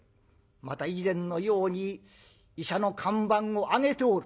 また以前のように医者の看板をあげておる。